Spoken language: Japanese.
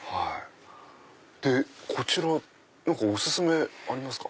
でこちらお薦めありますか？